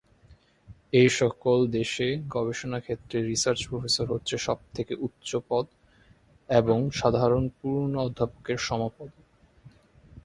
এসকল দেশে গবেষণা ক্ষেত্রে রিসার্চ প্রফেসর হচ্ছে সব থেকে উচ্চ পদ এবং সাধারণ পূর্ণ অধ্যাপকদের সম পদ।